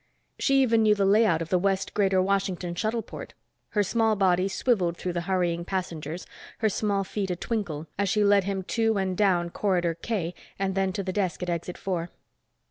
She even knew the layout of the West Greater Washington shuttleport. Her small body swiveled through the hurrying passengers, her small feet a twinkle, as she led him to and down Corridor K and then to the desk at Exit Four.